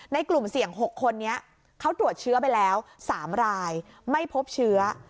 กลุ่มเสี่ยง๖คนนี้เขาตรวจเชื้อไปแล้ว๓รายไม่พบเชื้อ